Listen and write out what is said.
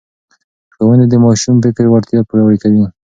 ښوونې د ماشوم فکري وړتیا پياوړې کوي.